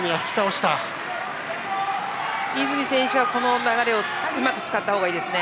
泉選手はこの流れをうまく使ったほうがいいです。